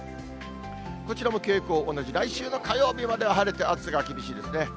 こちらも傾向同じ、来週の火曜日までは晴れて暑さが厳しいですね。